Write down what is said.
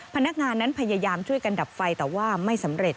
พนักงานนั้นพยายามช่วยกันดับไฟแต่ว่าไม่สำเร็จ